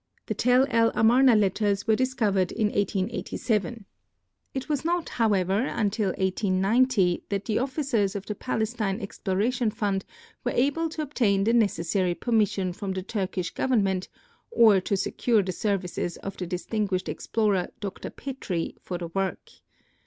The Tel el Amarna letters were discovered in 1887. It was not, however, until 1890 that the officers of the Palestine Exploration Fund were able to obtain the necessary permission from the Turkish government, or to secure the services of the distinguished explorer, Dr. Petrie, for the work.